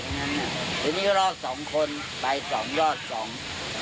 วันนี้รอดสองคนตายสองรอดสอง